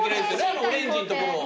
あのオレンジんところを。